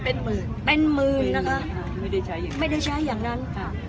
เป็นมือเป็นมือนะคะไม่ได้ใช้ไม่ได้ใช้อย่างนั้นค่ะ